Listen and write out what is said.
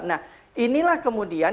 nah inilah kemudian